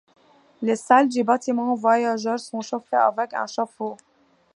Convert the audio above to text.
Les salles du bâtiment voyageurs sont chauffées avec un chauffe-eau.